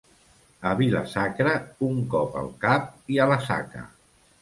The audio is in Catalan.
A Vila-sacra, un cop al cap i a la saca.